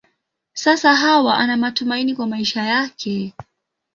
Sasa Hawa ana matumaini kwa maisha yake.